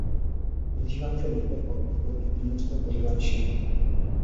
অধিকাংশ লোকের পক্ষে প্রকৃতি নিত্যপরিণামশীল।